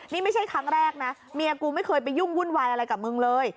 นี่ไม่ใช่ครั้งแรกนะเมียกูไม่เคยไปยุ่งวุ่นวายอะไรกับมึงเลย